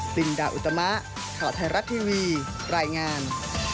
ซินดาอุตมะข่าวไทยรัฐทีวีรายงาน